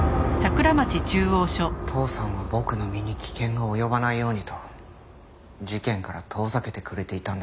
父さんは僕の身に危険が及ばないようにと事件から遠ざけてくれていたんだと思う。